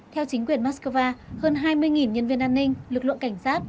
theo chính quyền moscow hơn hai mươi nhân viên an ninh lực lượng cảnh sát